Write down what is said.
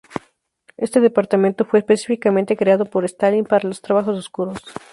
Este departamento fue específicamente creado por Stalin para los "trabajos oscuros".